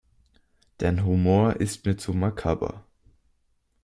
Dein Humor ist mir zu makaber.